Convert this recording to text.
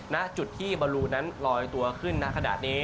ณจุดที่บอลลูนั้นลอยตัวขึ้นณขณะนี้